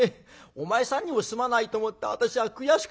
お前さんにもすまないと思って私は悔しくてね。